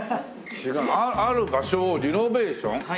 違うある場所をリノベーション？